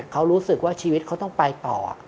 เขารู้สึกว่าชีวิตเขาต้องไปต่อ